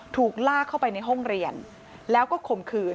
ถูกลากเข้าไปในห้องเรียนแล้วก็ข่มขืน